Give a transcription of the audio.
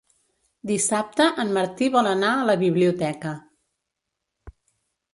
Dissabte en Martí vol anar a la biblioteca.